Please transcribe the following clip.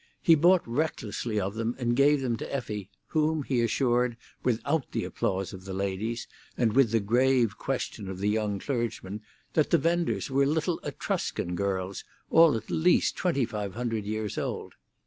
He bought recklessly of them and gave them to Effie, whom he assured, without the applause of the ladies, and with the grave question of the young clergyman, that the vendors were little Etruscan girls, all at least twenty five hundred years old.